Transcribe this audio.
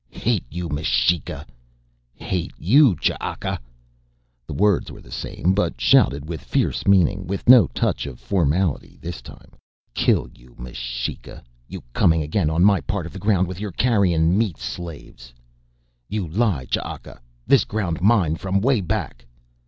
"Hate you, M'shika!" "Hate you, Ch'aka!" The words were the same, but shouted with fierce meaning, with no touch of formality this time. "Kill you, M'shika! You coming again on my part of the ground with your carrion meat slaves!" "You lie, Ch'aka this ground mine from way back."